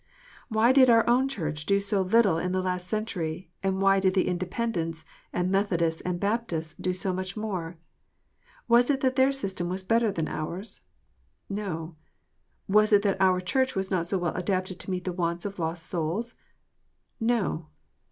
Why did our own Church do so little in the last century, and why did the Independents, and Methodists, and Baptists do so much more ? Was it that their system was better than ours ? No. Was it that our Church was not so well adapted to meet the wants of lost souls? No.